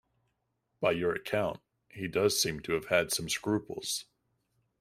By your account, he does seem to have had some scruples.